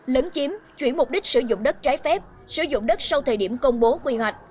lớn chiếm chuyển mục đích sử dụng đất trái phép sử dụng đất sau thời điểm công bố quy hoạch